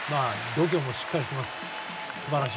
度胸もしっかりしています。